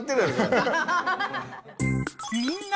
みんな！